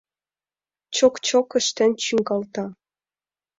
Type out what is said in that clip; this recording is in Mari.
Чок-чок ыштен чӱҥгалта.